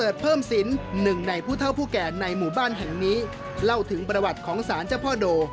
ชาวบ้านแห่งนี้เล่าถึงประวัติของศาลเจ้าพ่อโด